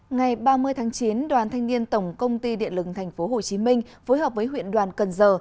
ngày ba mươi tháng chín đoàn thanh niên tổng công ty điện lực tp hcm phối hợp với huyện đoàn cần giờ